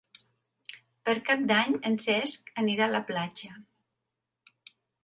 Per Cap d'Any en Cesc anirà a la platja.